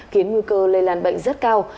khiến nguy cơ lây lan bệnh rất cao